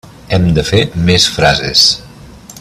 Hem de fer més frases.